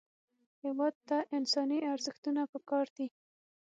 هېواد ته انساني ارزښتونه پکار دي